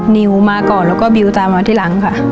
นิวมาก่อนแล้วก็บิวตามมาที่หลังค่ะ